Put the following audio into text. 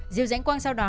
diều giãnh quang sau đó